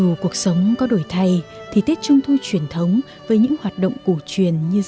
dù cuộc sống có đổi thay thì tết trung thu truyền thống với những hoạt động cổ truyền như